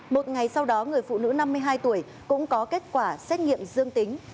một ngày sau đó người phụ nữ năm mươi hai tuổi cũng có kết quả xét nghiệm dương tính